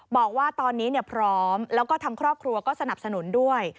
บอกว่าตอนนี้พร้อมแล้วก็ทางครอบครัวก็สนับสนุนด้วย